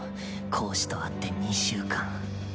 講師と会って２週間。